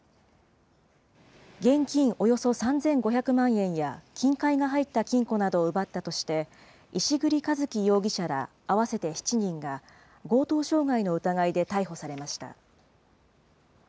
現金およそ３５００万円や金塊が入った金庫などを奪ったとして、石栗一樹容疑者ら合わせて７人が、強盗傷害の疑いで逮捕されました。